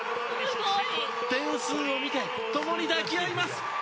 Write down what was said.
点数を見て、共に抱き合います！